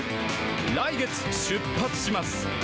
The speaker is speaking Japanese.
来月、出発します。